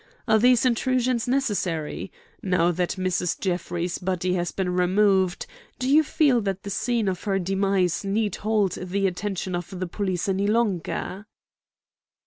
Are these intrusions necessary? Now that Mrs. Jeffrey's body has been removed, do you feel that the scene of her demise need hold the attention of the police any longer?"